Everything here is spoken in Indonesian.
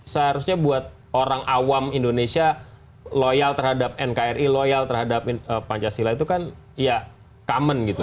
seharusnya buat orang awam indonesia loyal terhadap nkri loyal terhadap pancasila itu kan ya common gitu